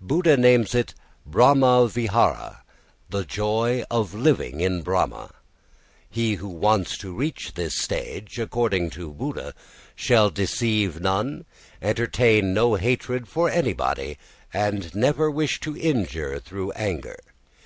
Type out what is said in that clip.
Buddha names it Brahma vihāra, the joy of living in Brahma. He who wants to reach this stage, according to Buddha, "shall deceive none, entertain no hatred for anybody, and never wish to injure through anger.